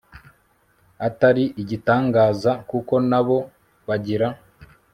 atari igitangaza kuko nabo bagira